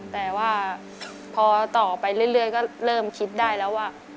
แต่ว่าพอต่อไปเรื่อยก็เริ่มคิดได้แล้วว่า